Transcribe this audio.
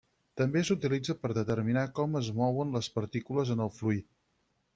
També s'utilitza per determinar com es mouen les partícules en el fluid.